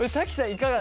いかが？